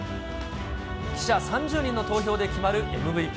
記者３０人の投票で決まるＭＶＰ。